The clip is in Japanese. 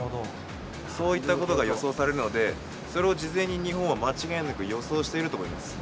そういったことが予想されるので、それを事前に日本は間違いなく予想していると思います。